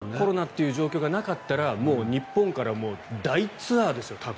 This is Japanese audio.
コロナという状況がなかったらもう日本から大ツアーですよ多分。